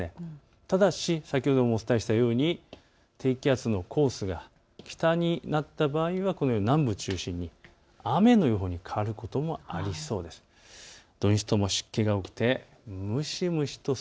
ただし、先ほどもお伝えしたように、低気圧のコースが北になった場合には、このように南部を中心に雨の予報に変わることもありそうです。